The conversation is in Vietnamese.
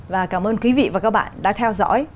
và cảm ơn quý vị và các bạn đã theo dõi